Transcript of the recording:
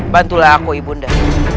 bantulah aku ibu nda